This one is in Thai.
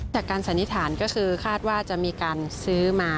การสันนิษฐานก็คือคาดว่าจะมีการซื้อมา